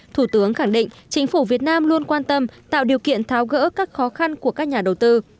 thủ tướng khẳng định chính phủ việt nam luôn quan tâm tạo điều kiện tháo gỡ các khó khăn của các nhà đầu tư